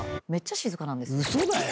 嘘だよ！